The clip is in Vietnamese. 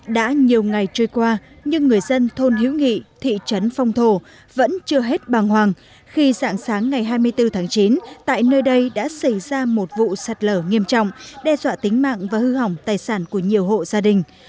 đã nhiều ngày trôi qua nhưng người dân thôn hữu nghị thị trấn phong thổ vẫn chưa hết bàng hoàng khi dạng sáng ngày hai mươi bốn tháng chín tại nơi đây đã xảy ra một vụ sạt lở nghiêm trọng đe dọa tính mạng và hư hỏng tài sản của nhiều hộ gia đình